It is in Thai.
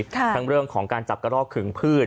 ทั้งเรื่องของการจับกระรอกขึงพืช